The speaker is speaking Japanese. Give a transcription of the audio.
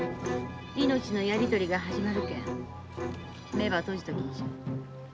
命のやりとりが始まるけん目ば閉じときんしゃい。